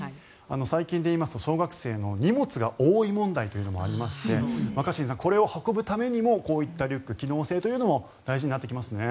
最近で言いますと小学生の荷物が多い問題というのもありまして若新さん、これを運ぶためにもこういったリュック、機能性も大事になってきますね。